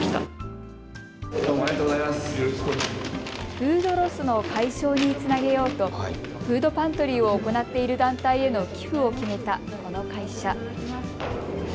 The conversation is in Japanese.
フードロスの解消につなげようとフードパントリーを行っている団体への寄付を決めたこの会社。